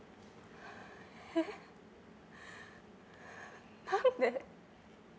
えっ、何で？